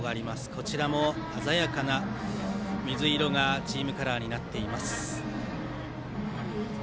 こちらも鮮やかな水色がチームカラーになっています。